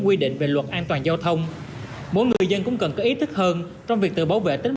quy định về luật an toàn giao thông mỗi người dân cũng cần có ý thức hơn trong việc tự bảo vệ tính